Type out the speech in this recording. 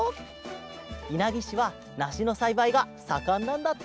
いなぎしはなしのさいばいがさかんなんだって。